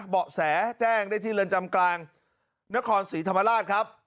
เบาะแสแจ้งได้ที่เรือนจำกลางนครศรีธรรมราชครับ